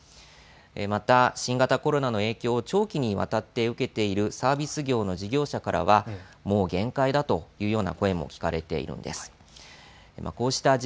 また新型コロナの影響を長期にわたって受けているサービス業の事業者からはもう限界だというような声も聞かれています。